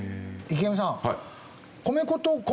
池上さん。